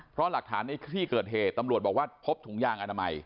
เพราะหลักฐานในที่เกิดเหตุตำรวจบอกว่าพบถุงยางอนามัย